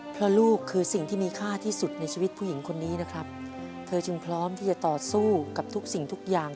เพราะลูกคือสิ่งที่มีค่าที่สุดในชีวิตผู้หญิงคนนี้นะครับเธอจึงพร้อมที่จะต่อสู้กับทุกสิ่งทุกอย่าง